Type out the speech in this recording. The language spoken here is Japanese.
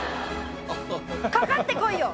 かかってこいよ！